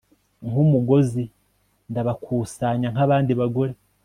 nk'umugozi. ndabakusanya nkabandi bagore